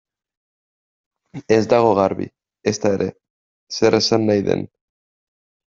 Ez dago garbi, ezta ere, zer esan nahi den.